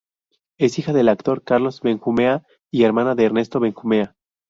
Es hija del actor Carlos Benjumea y hermana de Ernesto Benjumea.